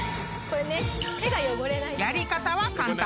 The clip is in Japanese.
［やり方は簡単］